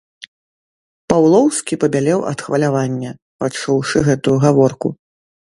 Паўлоўскі пабялеў ад хвалявання, пачуўшы гэтую гаворку.